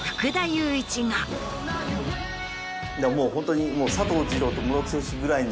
もうホントに。